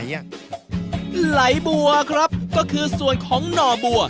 ไหลบัวครับก็คือส่วนของหน่อบัว